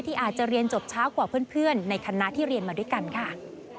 อาจจะเรียนจบช้ากว่าเพื่อนในคณะที่เรียนมาด้วยกันค่ะ